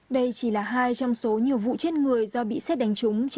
đây chỉ là hai trong số nhiều vụ chết người do bị xét đánh trúng